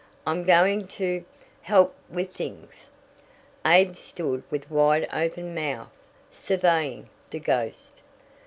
I'm going to help with things." Abe stood with wide open mouth surveying "the ghost."